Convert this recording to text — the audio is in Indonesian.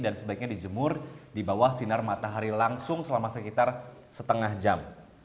dan sebaiknya dijemur di bawah sinar matahari langsung selama sekitar setengah jam